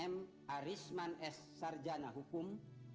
m arisman s sarjana hukum